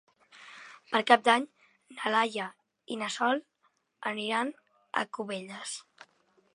Per Cap d'Any na Laia i na Sol aniran a Cubelles.